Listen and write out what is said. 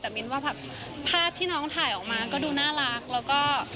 แต่มิ้นท์ว่าภาพที่น้องถ่ายออกมาก็ดูน่ารัก